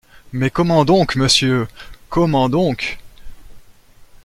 Mais comment donc monsieur, comment donc !…